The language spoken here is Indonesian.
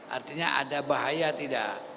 artinya ada bahaya tidak